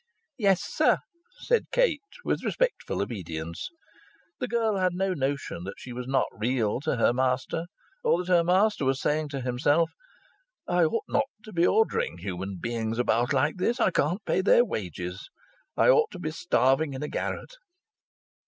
"Yes, sir," said Kate, with respectful obedience. The girl had no notion that she was not real to her master, or that her master was saying to himself: "I ought not to be ordering human beings about like this. I can't pay their wages. I ought to be starving in a garret."